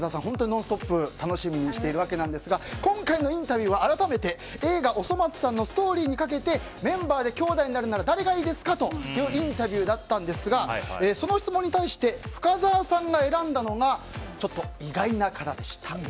本当に「ノンストップ！」を楽しみにしているわけなんですが今回のインタビューは改めて、映画「おそ松さん」のストーリーにかけてメンバーで兄弟になるなら誰がいいですか？というインタビューだったんですがその質問に対して深澤さんが選んだのがちょっと意外な方でした。